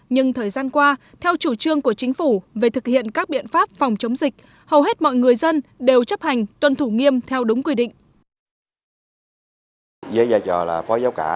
nhưng thời gian qua theo chủ trương của chính phủ về thực hiện các biện pháp phòng chống dịch hầu hết mọi người dân đều chấp hành tuân thủ nghiêm theo đúng quy định